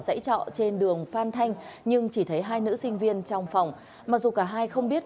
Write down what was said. dãy trọ trên đường phan thanh nhưng chỉ thấy hai nữ sinh viên trong phòng mặc dù cả hai không biết